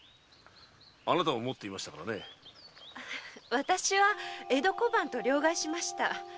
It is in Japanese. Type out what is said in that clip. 私は江戸小判と両替しました。